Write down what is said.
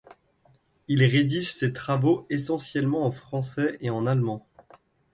Il rédige ses travaux essentiellement en français et en allemand.